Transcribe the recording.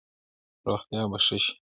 روغتیا به ښه شي.